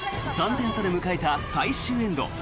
３点差で迎えた最終エンド。